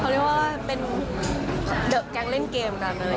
เขาเรียกว่าเป็นเดอะแกงเล่นเกม